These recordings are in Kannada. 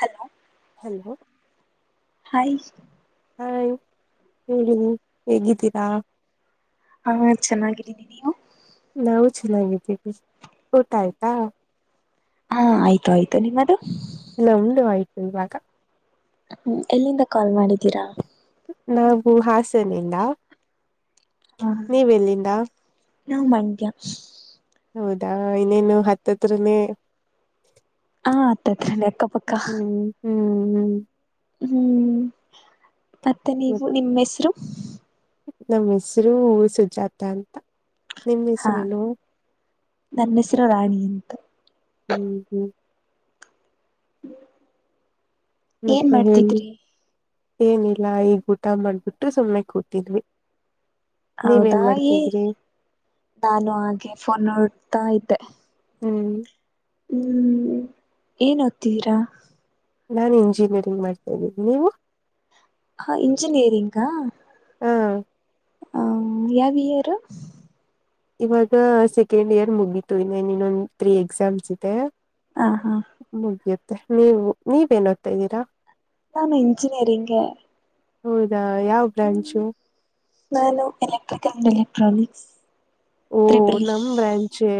ಹಲೋ ಹಲೋ ಹಾಯ ಹಾಯ್ ಹೇಳಿ ಹೇಗಿದ್ದೀರಾ ಹಾ ಚೆನ್ನಾಗಿದ್ದೀನಿ ನೀವು ನಾವು ಚೆನ್ನಾಗಿದ್ದೀವಿ ಊಟ ಆಯ್ತಾ ಹಾ ಆಯ್ತು ಆಯ್ತು ನಿಮ್ಮದು ನಂದು ಆಯ್ತು ಈವಾಗ ಹ್ಮ ಎಲ್ಲಿಂದ ಕಾಲ್ ಮಾಡಿದ್ದೀರಾ ನಾವು ಹಾಸನಿಂದ ಹಾ ನೀವೆಲ್ಲಿಂದ ನಾವು ಮಂಡ್ಯ ಹೌದಾ ಇನ್ನೇನು ಹತ್ತತ್ರನೇ ಹಾ ಹತ್ತಾತ್ರೇನೆ ಅಕ್ಕ ಪಕ್ಕ ಹ್ಮ್ ಹ್ಮ್ ಹ್ಮ್ ಹ್ಮ್ ಮತ್ತೆ ನೀವು ನಿಮ್ಮ್ ಹೆಸರು ನಮ್ಮ್ ಹೆಸರು ಸುಜಾತ ಅಂತ ನಿಮ್ಮ ಹಾ ಹೆಸರೇನು ನನ್ನ ಹೆಸರು ರಾಣಿ ಅಂತ ಹ್ಮ್ ಹ್ಮ್ ಹ ಏನ್ ಮತ್ತೆ ಹೇಳಿ ಮಾಡ್ತಿದ್ರಿ ಏನಿಲ್ಲ ಈಗ್ ಊಟ ಮಾಡ್ಬಿಟ್ಟು ಸುಮ್ಮನೆ ಕೂತಿದ್ವಿ ನೀವೇನ್ ಹೌದಾ ಏ ಮಾಡ್ತಿದ್ರಿ ನಾನು ಹಾಗೆ ಫೋನ್ ನೋಡ್ತಾ ಇದ್ದೆ ಹ್ಮ್ ಹ್ಮ್ ಏನ್ ಓದ್ತಿದಿರಾ ನಾನ್ ಇಂಜಿನಿಯರಿಂಗ್ ಮಾಡ್ತಾದೀನಿ ನೀವು ಹ ಇಂಜಿನಿಯರಿಂಗ ಹಾ ಹ್ಮ ಯಾವಾವಿಯರ್ ಇವಾಗ ಸೆಕೆಂಡ್ ಇಯರ್ ಮುಗೀತು ಇನ್ನ ಇನ್ನೊಂದ್ ತ್ರೀ ಎಕ್ಸಾಮ್ಸ್ ಇದೆ ಹ ಹಾ ಮುಗಿಯುತ್ತೆ ನೀವು ನೀವೇನ್ ಓದ್ತಾ ಇದ್ದೀರಾ ನಾನು ಇಂಜಿನಿಯರಿಂಗೆ ಹೌದಾ ಯಾವ ಬ್ರಾಂಚು ನಾನು ಎಲೆಕ್ಟ್ರಿಕಲ್ ಅಂಡ್ ಎಲೆಕ್ಟ್ರಾನಿಕ್ಸ್ ಓ ತ್ರಿಬಲಿ ನಮ್ ಬ್ರ್ಯಾಂಚೆ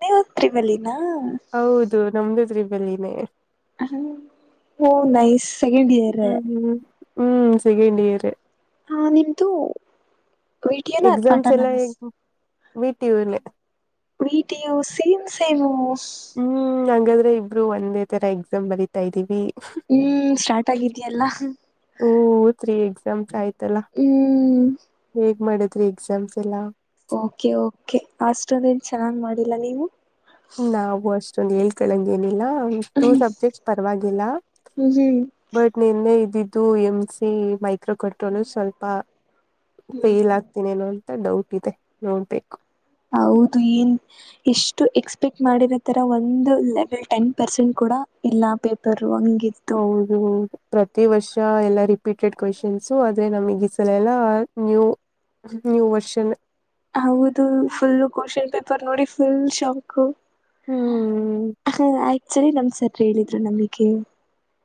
ನೀವು ತ್ರಿಬಲ್ಇ ನಾ ಹೌದು ನಮ್ದು ತ್ರಿಬಲ್ ಈ ನೇ ಹೋ ನೈಸ್ ಸೆಕೆಂಡ್ ಇಯರ್ ಹ್ಮ್ ಹ್ಮ್ ಹ್ಮ್ ಸೆಕೆಂಡ್ ಇಯರ್ ಹಾ ನಿಮ್ದು ವಿಟಿಯೋನ ಎಕ್ಸಾಮ್ಸ್ ಅತ್ಮಟಾನ ಎಲ್ಲ ಅನಸ್ ವೀಟೂಲ್ಲ ವೀಟು ಸೇಮ್ ಸೇಮ ಹ್ಮ್ ಹಾಗಾದ್ರೆ ಇಬ್ರು ಒಂದೇ ತರ ಎಕ್ಸಾಮ್ ಬರಿತಾ ಇದ್ದೀವಿ ಹ್ಮ್ ಸ್ಟಾರ್ಟ್ ಆಗಿದಿಯಲ್ಲಾ ಎಸ್ಸ್ ಆಯ್ತಲ್ಲ ಹೇಗ್ ಮಾಡಿದ್ರಿ ಎಕ್ಸಾಮ್ಸ್ ಎಲ್ಲಾ ಕೆ ಕೆ ಅಷ್ಟೊದೇನ್ ಚೆನ್ನಾಗಿ್ ಮಾಡಿಲ್ಲ ನೀವು ನಾವು ಅಷ್ಟೊಂದು ಹೇಳ್ತಳಂಗ ಏನಿಲ್ಲ ಟೂ ಹ್ಮ್ ಸಬ್ಜೆಕ್ಟ್ ಪರವಾಗಿಲ್ಲ ಹ್ಮ್ ಬಟ್ ನಿನ್ನೆ ಇದ ಎಂ್ ಸಿ ಮೈಕ್ರೋ ಕಟ್ಟೋನು ಸ್ವಲ್ಪ ಫೇಲ್ ಆಗ್ತನೇ ನೋ ಡೌಟ್ ಇದೆ ನೋಡ್ಬೇಕು ಹೌದು ಏನ್ ಎಷ್ಟು ಎಕ್ಸ್ಪೆಕ್ಟ್ ಮಾಡಿರೋ ತರ ಒಂದು ಲೆವೆಲ್ ಟೆನ್ ಪರ್ಸೆಂಟ್ ಕೊ ಕೂಡ ಎಲ್ಲಾ ಪೇಪರ್ ಹಂಗಿತ್ತು ಹೌದು ಪ್ರತಿ ವರ್ಷ ಎಲ್ಲ ರಿಪೀಟೆಡ್ ಕ್ವೆಶನ್ಸು ಆದ್ರೆ ನಮಗ ಈ ಸಲ ಎಲ್ಲ ನ್ಯೂ ನ್ಯೂ ವರ್ಷನ್ ಹೌದು ಫುಲ್ ಕ್ವನ್ ಪೇಪರ್ ನೋಡಿ ಫುಲ್ ಶಾಂಕ್ ಹ್ಮ್ ಹ ಆಕ್ಚುಲಿ ನಮ್ ಸರ್ ಹೇಳಿದ್ರು ನಮಗೆ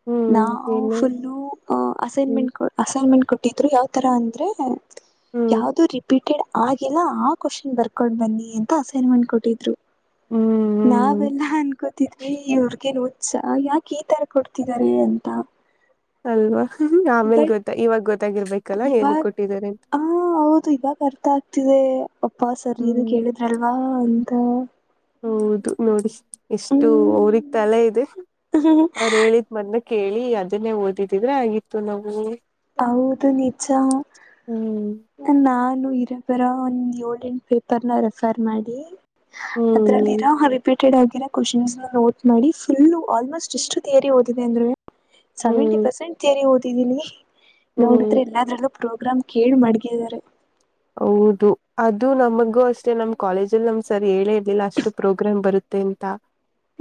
ಹ್ಮ್ ನಾವು ಏನು ಫುಲ್ಲ ಹ್ಮ್ ಅಸೈನ್ಮೆಂಟ್ ಅಸೈನ್ಮೆಂಟ್ ಕೊಟ್ಟಿದ್ರು ಯಾವ್ತರ ಅಂದ್ರೆ ಹ್ಮ್ ಯಾವ್ದ ರಿಪೀಟೆಡ್ ಆಗಲ್ಲ ಆ ಕ್ವಶನ್ ಬರ್ಕೊಂಡ ಬನ್ನಿ ಅಂತ ಅಸೈನ್ಮೆಂಟ್ ಕೊಟ್ಟಿದ್ರು ಹ್ಮ್ ನಾವೆಲ್ಲಾ ಅನ್ಕೋತಿದ್ವಿ ಇವ್ರಗನ್ ಉುಛ ಯಾಕೆ ಈ ತರ ಕೊಡ್ತವಿ ಿದ್ದಾರೆ ಅಂತ ಅಲ್ವಾ ಆಮೇಲ್ ಬಟ್ ಗೊತ್ತಾ ಇವಾಗ ಗೊತ್ತಾಗಿರ್ಬೇಕು ಇವಾಗ ಹ ಹೌದು ಇವಾಗ ಅರ್ಥ ಆಗ್ತಿದೆ ಅಪ್ಪಾ ಸರಿ ಇದು ಹ್ಮ್ ಕೇಳಿದ್ರಲ್ವಾ ಅಂತ ಹೌದು ನೋಡಿ ಎಷ್ಟು ಹ್ಮ್ ಅವ್ರಗ್ ತಲೆ ಇದೆ ಅವ್ರು ಹೇಳಿದ್ ಮೊನ್ನ ಕೇಳಿ ಅದನ್ನೇ ಓದಿದಿದ್ರೆ ಆಗಿತ್ತು ನಾವು ಹೌದು ನಿಜ ಹ್ಮ್ ನಾನು ಇರ ಒಂದ ಏಂ ಪೇಪರ್ ನ ರೆಫರ್ ಮಾಡಿ ಅದ್ರಲ್ಲಿ ಹ್ಮ್ ನ ರಿಪೀಟ್ ಆಿರೋ ಕ್ವನ್ ನೋಟ್ ಮಾಡಿ ಫುಲ್ ಆಲ್ಮೋಸ್ಟ್ ಎಷ್ಟು ೇರಿ ಓದಿದೆ ಅಂದ್ರೆ ಸೆವೆಂಟಿ ಹ್ಮ್ ಪರ್ಸೆಂಟ್ ಿಯರಿ ಓದಿದ್ದೀನಿ ಹ್ಮ್ ನೋಡಿದ್ರೆ ಎಲ್ಲಾದ್ರಲ್ಲೂ ಪ್ರೋಗ್ರಾಮ್ ಕೇಳಿ ಮಾಡ್ಗಿದ್ದಾರೆ ಹೌದು ಅದು ನಮಗೂ ಅಷ್ಟೇ ನಮ್ ಕಾಲೇಜಲ್ಲಿ ನಮ್ ಸರಿ ಹೇಳಿ ಇರ್ಲಿಲ್ಲ ಅಷ್ಟು ಪ್ರೋಗ್ರಾಮ್ ಬರುತ್ತೆ ಎಂತ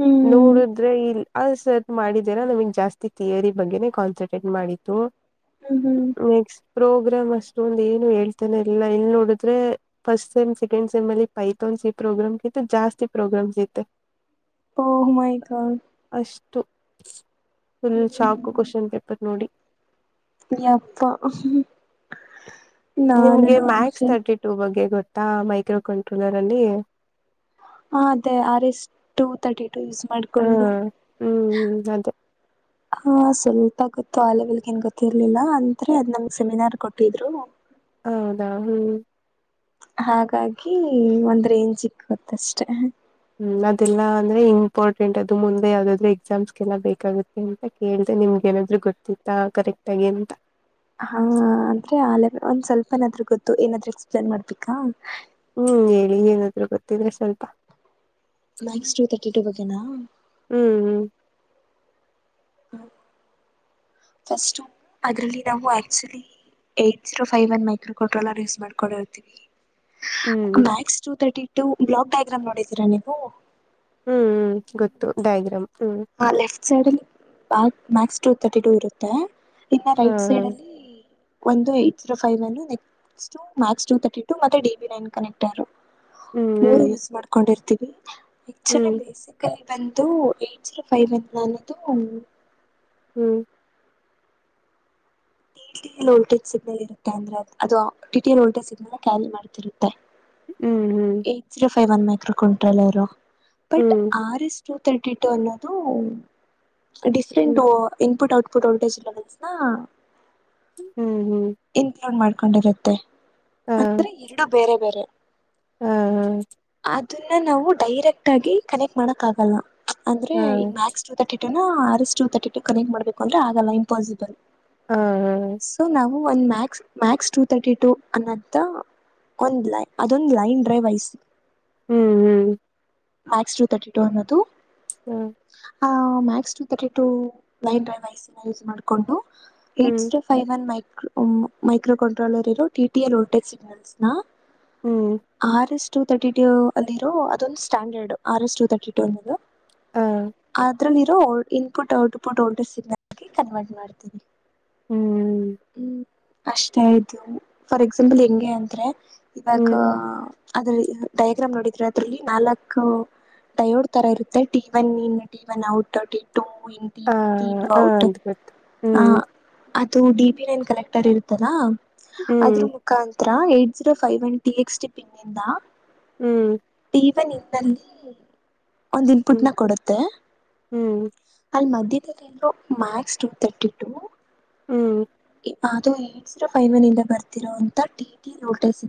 ಹ್ಮ್ ನೋಡುದ್ರೆ ಇಲ್ ಅ ಸರ್ದ ಮಾಡಿದೇರ ನಮಗ್ ಜಾಸ್ತಿ ಥಿಯರಿ ಬಗ್ಗೆನೇ ಕಾನ್ಸಂಟ್ರೇಟ್ ಮಾಡಿು ಹ್ಮ್ ಹ್ಮ್ ಪ್ರೋಗ್ರಾಮ್ ಅಷ್ಟೊ ಒಂದ ಏನು ಹೇಳ್ತ ಎಲ್ಲ ಇಲ್ಲಿ ನೋಡಿದ್ರೆ ಫಸ್ಟ್ ಸೆಮ್ ಸೆಕಂಡ್ ಸೆಮ್ ಅಲ್ಲಿ ಪೈಥೋನ್ ಸಿ ಪ್ರೋಗ್ರಾಮ್ ಕಿಂತ ಜಾಸ್ತಿ ಪ್ರೋಗ್ರಾಮ್ ಜತೆ oh my god full shock question paper ನೋಡಿ ಯಪ್ಪ ನಿಮ್ಗೆ ನಾನು ಮ್ಯಾಕ್ಸ್ ಅನ್ಸನ್ ತರ್ಟಿ ಟೂ ಬಗ್ಗೆ ಗೊತ್ತ ಅ ಮೈಕ್ರೋ ಕಂಟ್ರೂಲರ್ ಅಲ್ಲಿ ಹ ಅದೇ ಆರ ಎಷ್ಟ ಟು ತರ್ಟಿ ಯೂಸ್ ಹ ಮಾಡಿಕೊಂಡು ಹ್ಮ್ ಅದೇ ಹಾ ಸ್ವಲ್ಪ ಗೊತ್ತು ಆ ಲೆವೆಲ್ಗೆ ಏನ್ ಗೊತ್ತಿರ್ಲಿಲ್ಲ ಅಂದ್ರೆ ಅದ್ ನಂಗ ಸೆಮಿನಾರ್ ಕೊಟ್ಟಿದ್ರು ಹೌದಾ ಹ್ಮ್ ಹಾಗಾಗಿ ಒಂದ್ ರೇಂಜ್ ಇಕ್ಕತ್ತಷ್ಟೆ ಹ್ಮ್ ಅದೆಲ್ಲ ಅಂದ್ರೆ ಹ ಇಂಪಾರ್ಟೆಂಟ್ ಅದು ಮುಂದೆ ಯಾವವುದಾದ್ರು ಎಕ್ಸಾಮ್ಸ್ಗೆಲ್ಲ ಬೇಕಾಗುತ್ತೆ ಅಂತ ಕೇಳಿದೆೆ ನಿಮ್ಗೆ ಏನಾದ್ರು ಗೊತ್ತ ಕರೆಕ್ಟ್ ಟಾಗೆಂತ ಹಾ ಅಂದ್ರೆ ಆ ಒಂದ್ ಸ್ವಲ್ಪ ನಾದ್ರೂ ಗೊತ್ತು ಏನಾದ್ರು ಎಕ್ಸ್ಪ್ಲೇನ್ ಮಾಡ್ಬೇಕಾ ಹ್ಮ್ ಹೇಳಿ ಏನಾದ್ರು ಗೊತ್ತಿದ್ರೆ ಸ್ವಲ್ಪ ನಕ್ಸ್ಟ್ ಟೂ ತರ್ಿ ಟೂ ಬಗ್ಗೆನಾ ಹ್ಮ್ ಹ್ಮ್ ಹ ಸ್ ಅದ್ರಲ್ಲಿ ನಾವು actually eight zero five one micro ಕೋಟ್ರ use ಮಾಡ್ಕೊಂಡಿರ್ತೀವಿ ಹ್ಮ್ ಹ್ಮ್ Max two thirty two block diagram ನೋಡಿದ್ದೀರಾ ನೀವು ಹ್ಮ್ ಹ್ಮ್ ಗೊತ್ತು ಡ್ಯಾಗ್ರಾಮ್ ಹ ಲೆಫ್ಟ್ ಸೈಡ್ ಅಲ್ಲಿ ಮ್ಯಾಕ್ ಟ ತರ್ಟಿ ಟ ಇರುತ್ತೆ ಇನ್ನ ಹಾ ರೈಟ್ ಹಾ ಸೈಡ್ ಅಲ್ಲಿ ಒಂದು ಏಟ್ ಜೀರೋ ಫೈ್ ಅ ನೆಸ್ ಟ ಮಕ್ಸ್ ಟ ತರ್ಟಿ ಟು ಮತ್ತೆ ಡಿ ಬಿ ನೈನ್ ಕನೆಕ್ಟ್ ಆರು ಹ್ಮ್ ಮೂರು ಹ್ಮ್ ಯೂಸ್ ಮಾಡ್ಕೊಂಡಿರ್ತೀವಿ ಆಕ್ಚುಲಿ ಹ್ಮ್ ಬೇಸಿಕ್ಾಗಿ ಬಂದು ಏಜ ಫೈವ್ ಅಂತ ನಾನದು ಹ್ಮ್ ಟಟ ವೋಲ್ಟೇಜ್ ಸಿಗ್ನಲ್ ಇರುತ್ತೆ ಅಂದ್ರೆ ಅದು ಅದುಟಟಿ ವೋಲ್ಟೇಜ್ ಸಿಗ್ನಲ್ ಕ್ಯಾರಿ ಮಾಡ್ತಿರುತ್ತೆ ಹ್ಮ್ ಹ್ಮ್ ೈ್ one micro ಕ್ವಿಂಟ್ರಲ್ but hmm R S two thirty two ಅನ್ನೋದು ಡಫ್ರೆಂಟ್ ಹ್ಮ್ ಹ್ಮ್ ಇನ್ಪುಟ್ ಟ್ ಫಟೋ ಟ ಇ ಬ ಹ್ಮ ಇನ್ಕ್ಲೂಡ್ ಮಾಡ್ಕೊಂಡಿರುತ್ತೆ ಅಂದ್ರೆ ಎರಡು ಬೇರೆ ಬೇರೆ ಹ್ಮ್ ಹ್ಮ ಅದನ್ನ ನಾವು ಡೈರೆಕ್ಟ್ ಆಗಿ ಕನೆಕ್ಟ್ ಮಾಡಕ್ ಆಗಲ್ಲ ಅಂದ್ರೆ ಹಾ ಈ ಮ್ಯಾಸ್ ಟು ತರ್ಟಿ ಟು ಅ ಕ ಮಾಡ್ಬೇಕು ಅಂದ್ರೆ ಆಗಲ್ಲ ಇಂಪಾಸಿಬಲ್ ಹಾ ಹಾ ಸೊ ನಾವು ಒಂದ್ mass Max two thirty two ಅನ್ನಂತ ಒಂದ್ ಲೈನ್ ಅದೊಂದ್ ಲೈನ್ ಡ್ರೈವ್ ಐಸ ಹ್ಮ್ ಹ್ಮ್ ಮಕ್ಸ್ ಟೂ ತರ್ಟಿ ಟೂ ಅನ್ನೋದು ಹ್ಮ ಆ max two thirty two line drive IC use ಮಾಡಿಕೊಂಡು ಹ್ಮ್ eight five one mic micro controller ಇರೋ ಟ ಟಿ ಎಲ್ ಲ್ಟೆ ಸನಲ್ಸ್ನಾ ಹ್ಮ್ R S two thirty two ಅಲ್ಲಿ ಇರೋ ಅದೊಂದು ಸ್ಟ್ಯಾಂಡರ್ಡ್ ಆರ್ ಎಸ್ ಟ ತಟಿ ಟ ಅ ಹಾ ಅ್ರಲ್ಲಿ ಇರೋ ಇನ್ಪುಟ್ ಔಟ್ಪುಟ್ ಓಲ್ಡರ್ ಸಿನಲ್ಗೆ ಕನ್ವರ್ಟ್ ಮಾಡ್ತೀವಿ ಹ್ಮ್ ಹ್ಮ್ ಅಷ್ಟೇ ಆಯ್ತು ಫಾರ್ ಎಕ್ಸಾಂಪಲ್ ಹೆಂಂಗಗೆ ಅಂದ್ರೆ ಇವಾಗ ಹ್ಮ್ ಅದ್ರ ಡಯಾಗ್ರಾಮ್ ನೋಡಿದ್ರ ಅದ್ರಲ್ಲಿ ನಾಲ್ಕ್ ದಯೋಡ್ ತರ ಇರುತ್ತೆ T one in T one out T ಆ ಇಟ ಆ ಔಟ್ ಅಂತ ಗೊತ್ತು ಹ ಹ್ಮ್ ಅದು ಡಿ ಪಿ ನೆನ್ ಕಲೆಕ್ಟರ್ ಇರುತ್ತಲಾ ಅದ್ರ ಹ್ಮ್ ಮುಖಾಂತ ಹ ಎಯ್ಟಟ್ ಜೀರೋ ಫೈವ್ ಒನ್ ಟ ಎಕ್ಸ್ ಪನ್ನ ಇಂದ ಹ್ಮ್ ಇವನ್ ನಿನ್ನಲ್ಲಿ ಒಂದ ಇನ್ಪುಟ್ ನ ಕೊಡುತ್ತೆ ಹ್ಮ್ ಅ ಮಧ್ಯರು ಮ್ಯಾಸ್ ಟ ತರ್ಟಿ ಟ ಹ್ಮ್ ಅದು ಏ ವ್ನ್ಂದ ಬರ್ತಿರೋಂತಟಿಲ್ಟಸ್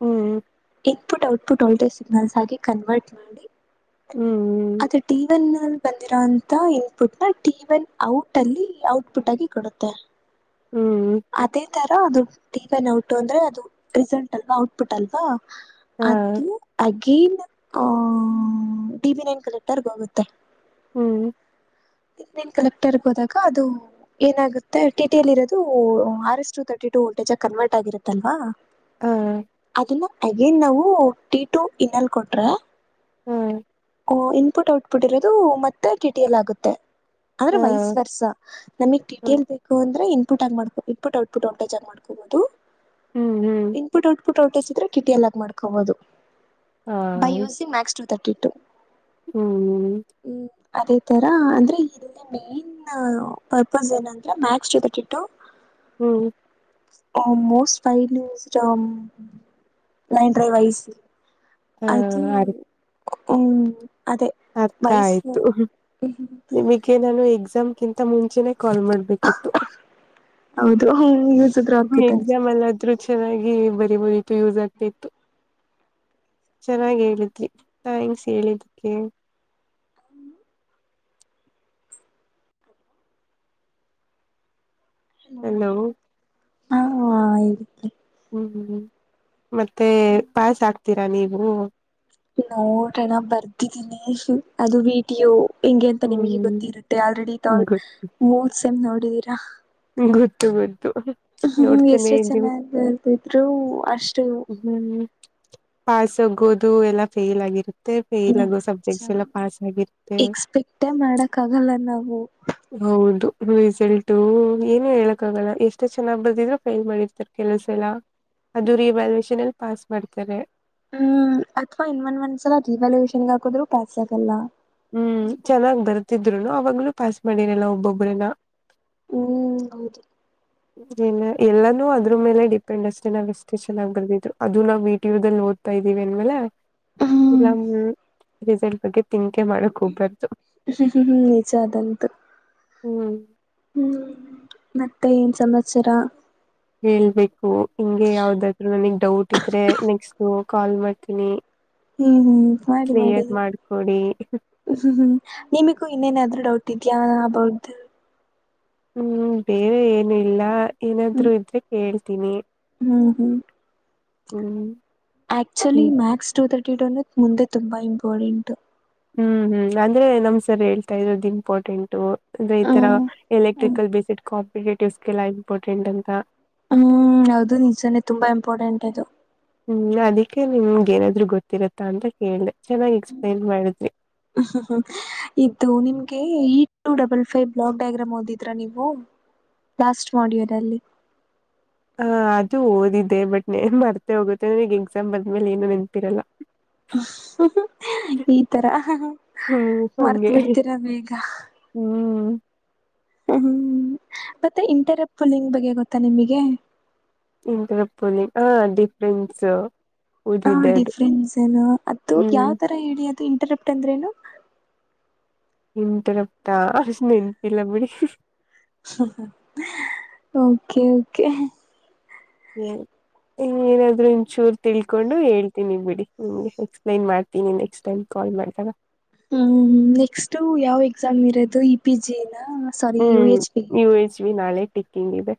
ಹ್ಮ್ ಇಪುಟ್ ಔಟ್ಪುಟ್ ಆಲ್ಟೇಜ್ ಸಿಗ್ನಲ್ಸ್ ಆಗಿ ಕನ್ವರ್ಟ್ ಮಾಡಿ ಹ್ಮ್ ಹ್ಮ್ ಅದು ಟನ್ ಬಂದಿರೋಂತ ಇನ್ಪುಟ್ ನ ಟಿ ವನ್ ಔಟ್ ಅಲ್ಲಿ ಔಟ್ಪುಟ್ ಆಗಿ ಕೊಡುತ್ತೆ ಹ್ಮ್ ರ ಅದು ಟಿನ್ ಔಟಟ್ ಅಂದ್ರೆ ಅದು ರೆಸಲ್ಂಟ್ ಅಲ್ವಾ ಔಟ್ಪುಟ್ ಅಲ್ವಾ ಹಾ ಅದು ಹಾಗ ಕೀಲ್ ಓ ಟಿವಿ ನೈನ್ ಕಲೆಕ್ಟರಿಗೆ ಹೋಗುತ್ತೆ ಹು ರಿಭಿನ್ನ ಕಲೆಕ್ಟರ್ ಗೆ ಹೋದಾಗ ಅದು ಏನಾಗುತ್ತೆ ಟಿಟಿಯಲ್ಲಿ ಇರೋದು R S two thirty two ಜೊತೆಗೆ ಕನ್ವರ್ಟ್ ಆಗಿರುತ್ತಲ್ವಾ ಹ ಅದನ್ನ ಅಗೇನ್ ನಾವು ಟೀ ಟು ಇನ್ನಲ್ ಕೊಟ್ರೆ ಹ ಓ ಇನ್ಪುಟ್ ಔಟ್ಪುಟ್ ಇರೋದು ಮತ್ತೆ ಟಿ ಟಿ ಎಲ್ ಆಗುತ್ತೆ - ಆದ್ರೆ ಹ ವಯಸ್ ವರ್ಸಾ ನಮಿಗ್ ಡಿಟೇಲ್ ಬೇಕು ಅಂದ್ರೆ ಇನ್ಪುಟ್ ಆಗಿ ಮಾಡಕೊ ಇನ್ಪುಟ್ ಔಟ್ಪುಟ್ ಔಟೇಜ್ ಆಗಿ ಮಾಡ್ಕೋಬಹುದು ಹ್ಮ್ ಹ್ಮ್ ಇನ್ಪುಟ್ ಔಟ್ಪುಟ್ ಔಟೇಜ್ ಇದ್ರೆ ಕಿಟಿ ಎಲ್ಲಾಗ ಮಾಡ್ಕೊಬಹುದು ಬೈ ಯಸ್ ಮ್ಯಾಕ್ಸ್ ತಟಿ ಟು - ಹು ಅದೇ ತರ ಅಂದ್ರೆ ಇದರ ಮೇನ್ ಪರ್ಪಸ್ ಏನಂದ್ರೆ ಮ್ಯಾಕ್ಸ್ ಜೊತೆಗೆ ಇಟ್ಟು ಹು ಓ ಮೋಸ ಪೈಲೂ ಜಮ್ ನೆಂಟ್ರೊಲಾಜಿ ಹ ಅದು ಅರ್ ಹು -ಅರ್ಥ ಆಯ್ತ ನಿಮಗೆ ನಾನು ಎಕ್ಸ ಎಕ್ಸಾಮ್ಕಿಂತ ಮುಂಚೆನೆ ಕಾಲ್ ಮಾಡ್ಬೇಕಿತ್ತು ಹೌದು ಯೂಸ್ ಆದ್ರು ಆಗ್ತಿತು ಅಂತ ಎಕ್ಸಾಮ್ ಅಲ್ಲಾದ್ರೂ ಚೆನ್ನಾಗಿ ಬರಿಬಹುದಿತ್ತು ಯೂಸ್ ಆಗ್ತಿತ್ತು ಚೆನ್ನಾಗಿ ಹೇಳಿದ್ರಿ ಥ್ಯಾಂಕ್ಸ್ ಹೇಳಿದ್ದಿಕ್ಕೆ ಹಲೋ ಆ ಇ ಹು ಮತ್ತೆ ಪಾಸ್ ಆಗ್ತೀರಾ ನೀವು ನೋಡ್ರಣಾ ಬರ್ದಿದ್ದೀನಿ ಅದು ವಿಡಿಯೋ ಹೆಂಗೆ ಅಂತ ನಿಮಗ ಹ್ಮ್ ಗೊತ್ತಿರುತ್ತೆ ಆಲ್ರೆಡಿ ತಾವು ಗೊ ಮೂರ್ ಸೆಮ್ ನೋಡಿದೀರಾ ಗುರ್ತು ಬಿಡ ನೋಡ್ತೇನೆ ಎಷ್ಟು ನಿಮ್ದ್ ಚೆನ್ನಾಗಿ ಬರ್ದಿದ್ರು ಅಷ್ಟು ಹು ಪಾಸ್ ಹೋಗೋದು ಎಲ್ಲಾ ಫೇಲ್ ಆಗಿರುತ್ತೆ ಅದೇ ಫೇಲ್ ಆಗುವ ಸಬ್ಜೆಕ್ಟ್ ಎಲ್ಲ ಪಾಸ ಆಗಿದ್ರೆ ಎಕ್ಸ್ಪೆಕ್ಟೇ ಮಾಡಕ್ ಆಗಲ್ಲ ನಾವು ಹೌದು ರಿಸಲಟು ಏನು ಹೇಳಕ್ಕ ಆಗಲ್ಲ ಎಷ್ಟು ಚೆನ್ನಾಗ್ ಬರ್ದಿದ್ರರು ಫ್ರೈ ಮಾಡಿರ್ತರ ಕೆಲವು ಸಲ ಅದು ರೀ ವ್ಯಾಲ್ಯೂಯೇಷನ್ ಅಲ್ಲಿ ಪಾಸ್ ಮಾಡ್ತಾರೆ ಹು ಅಥವಾ ಇನ್ ಒಂದ್ ಒಂದ್ಸಲ ರೀ ವ್ಯಾಲ್ಯೂಯೇಷನ್ ಗೆ ಹಾಕುದ್ರು ಪಾಸ್ ಆಗಲ್ಲ ಹು ಚೆನ್ನಾಗ್ ಬರ್ತಿದ್ರುನು ಅವಾಗಲೂ ಪಾಸ್ ಮಾಡಿರಲ್ಲ ಒಬ್ಬೊಬ್ಬರಾನ ಹು ಹೌದು ಏನ್ ಎಲ್ಲಾನೂ ಅದ್ರ ಮೇಲೆ ಡಿಪೆಂಡ್ ಅಷ್ಟೇ ನಾವ್ ಎಷ್ಟೇ ಚೆನ್ನಾಗಿ ಬರ್ದಿದ್ರು ಅದು ನಾವ್ ವಿ ಟಿ ಯುದಲ್ಲಿ ನೋಡಾತಾ ಇದೀ ಇನ್ನಮೇಲೆ ಹ್ಮ್ ಇಲ್ಲ ರಿಸಲ್ಟ್ ಬಗ್ಗೆ ಥಿಂಕ್ ಮಾಡೋಕೆ ಹೋಗಬಾರ್ದು ಹ್ಮ್ ನಿಜ ಅದಂತೂ ಹ್ಮ್ ಹ್ಮ್ ಮತ್ತೆ ಏನ್ ಸಮಾಚಾರ ಹೇಳ್ಬೇಕು ಹಿಂಗೆ ಯಾವ್ದಾದ್ರು ನನಿಗೆ ಡೌಟ್ ಇದ್ರೆ ನೆಕ್ಸ್ಟ್ ಕಾಲ್ ಮಾಡ್ತೀನಿ ಹು ಹು ಮಾಡಿ ಮಾಡಿ ಕ್ಲಿಯರ್ ಮಾಡ್ಕೊಡಿ ಹ್ಮ್ ಹ್ಮ್ ನಿಮಗೂ ಇನ್ನೇನಾದ್ರೂ ಡೌಟ್ ಇದ್ದೀಯ ಅಬೌಟ್ ಹು ಬೇರೆ ಏನು ಇಲ್ಲ ಹ್ಮ್ ಏನಾದ್ರು ಇದ್ರೆ ಕೇಳ್ತೀನಿ ಹ್ಮ್ ಹ್ಮ್ ಹ್ಮ್ actually hmm max two thirty two ಮುಂದೆ ತುಂಬಾ ಇಂಪಾರ್ಟೆಂಟ ಹು ಹು ಅಂದ್ರೆ ನಮ್ ಸರ್ ಹೇಳ್ತಾ ಇದ್ರು ಅದು ಇಂಪಾರ್ಟೆಂಟು ಅಂದ್ರೆ ಈ ತರ ಹ್ಮ್ ಎಲೆಕ್ಟ್ರಿಕಲ್ ಬೇಸಡ್ ಕಾಂಪಿಟೇಟಿವ್ ಎಲ್ಲಾ ಇಂಪಾರ್ಟೆಂಟ್ ಅಂತ ಅ ಹೌದು ನಿಜಾನೇ ತುಂಬಾ ಇಂಪಾರ್ಟೆಂಟ್ ಅದು ಹ್ಮ್ ಅದಕ್ಕೆ ನಿಮ್ಗೆ ಏನಾದ್ರು ಗೊತ್ತಿರುತ್ತಾ ಅಂತ ಕೇಳ್ದ ಇದು ನಿಮಗೆ ಈ two double five block diagram ಓದಿದ್ರಾ ನೀವು ಲಾಸ್ಟ್ ಮೊಡುಲೆದಲ್ಲಿ ಹ ಅದು ಓದಿದೆ ಬಟ್ ನನ್ ಮರ್ತೆ ಹೋಗುತ್ತೆ ಈಗ ಎಕ್ಸಾಮ್ ಬರೆದ್ಮೇಲೆ ಏನು ನೆನ್ಪಿರಲ್ಲ [inaudible] ಈ ತರ ಹ್ಮ್ ಹಂಗೆ ಮರ್ತಬಿಡ್ತೀರ ಬೇಗ ಹ್ಮ್ ಹ್ಮ್ ಮತ್ತೆ ಇಂಟರಾಪ್ ಪುಲಿಂಗ್ ಬಗ್ಗೆ ಗೊತ್ತಾ ನಿಮಗೆ ಇಂಟರಾಪ್ ಪುಲ್ಲಿಂಗ್ ಹ ಡಿಫ್ರೆನ್ಸು ಹ ಡಿಫ್ರೆನ್ಸ್ ಏ ಅ ಯಾವ್ ಹ್ಮ್ ತರ ಹೇಳಿ ಅದು ಇಂಟರಾಪ್ ಅಂದ್ರೇನು ಇಂಟರಾಪ್ ನೆನಪು ಇಲ್ಲ ಬಿಡಿ ಓಕೆ ಓಕೆ ಏನ್ ಏನಾದ್ರು ಇಂಚೂರು ತಿಳ್ಕೊಂಡು ಹೇಳ್ತೀನಿ ಬಿಡಿ ನಿಮ್ಗೆ ಎಕ್ಸ್ಪ್ಲೇನ್ ಮಾಡ್ತೀನಿ ನೆಕ್ಸ್ಟ್ ಟೈಮ್ ಕಲ್ ಮಾಡಸ ಹ್ಮ್ ನೆಕ್ಸ್ಟ್ ಯಾವ್ ಎಕ್ಸಾಮ್ ಇರೋದು ಇ ಪಿ ಜಿ ನ sorry you hmm H P ನೀೂ ಎಚ್ವಿ ನಾಳೆ ಟಿಕ್ಕಿಂಗ್ ಇದೆ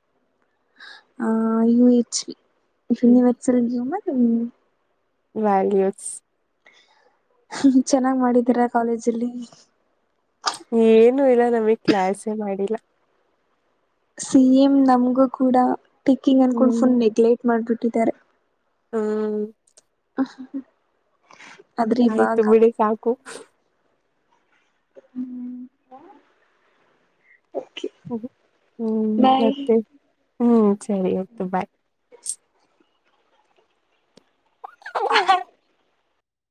ಆ ಯ ಎಚ್ ಯನಿವರ್ಸಲ್ ಗ್ಯೂಮರ್ ವಲ್ಯೂಸ್ ಚೆನ್ನಾಗ್ ಮಾಡಿದಾರ ಕಾಲೇಜಲ್ಲಿ ಏನು ಇಲ್ಲ ನಮಗ್ ಕ್ಲಾಸೆ ಮಾಡಿಲ್ಲ ಸೇಮ್ ನಮಗು ಕೂಡ ಟಿಕ್ಕಿಂಗ್ ಅನ್ಕೊಂಡ್ ಹ್ಮ್ ಫುಲ್ ನೆಗ್ಲೆಕ್ಟ್ ಮಾಡ್ಬಿಟ್ಟಿದ್ದಾರೆ ಹ್ಮ [inaudible] ಆಯ್ತು ಇವಾಗ ಬಿಡಿ ಸಾಕು ಹ್ಮ್ ಓಕೆ ಹ್ಮ ಹ್ಮ್ ಬಾಯ್ ಮತ್ತೆ ಹ್ಮ್ ಸರಿ ಆಯ್ತು ಬಾಯ್ ಬಾಯ್ [inaudible]